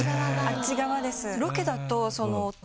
あっち側です。